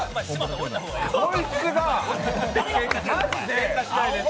こいつがマジで。